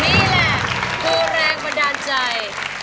นี่แหละครูแรงประดานใจ